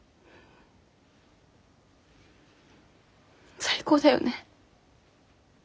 最高だよね。